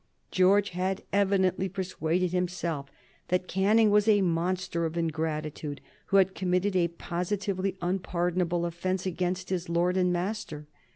George had evidently persuaded himself that Canning was a monster of ingratitude, who had committed a positively unpardonable offence against his lord and master.